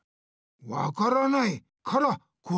わからないからこわいわけか！